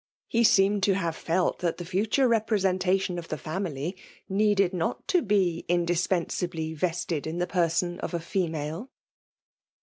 He seemed to have felt that the fu ture representation of the family needed not ko be indispensably vested in the person off a female.